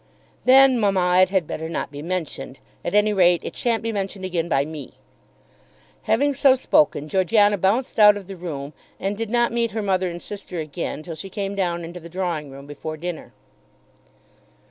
"Then, mamma, it had better not be mentioned. At any rate it shan't be mentioned again by me." Having so spoken, Georgiana bounced out of the room and did not meet her mother and sister again till she came down into the drawing room before dinner.